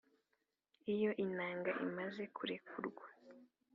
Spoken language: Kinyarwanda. iyo intanga imaze kurekurwa